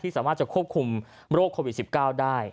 สามารถจะควบคุมโรคโควิด๑๙ได้